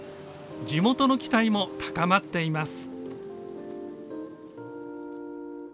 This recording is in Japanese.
地元の期待も高まっています。